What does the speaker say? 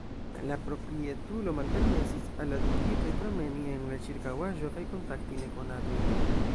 La proprietulo malpermesis al la dungitoj promeni en la ĉirkaŭaĵo kaj kontakti nekonatojn.